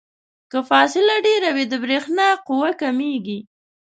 که فاصله ډیره وي د برېښنا قوه کمیږي.